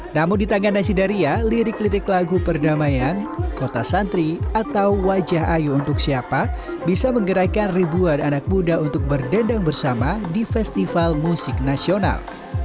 namun di tangan nasidaria lirik lirik lagu perdamaian kota santri atau wajah ayu untuk siapa bisa menggerakan ribuan anak muda untuk berdendang bersama di festival musik nasional